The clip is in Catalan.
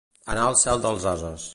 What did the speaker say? Anar al cel dels ases.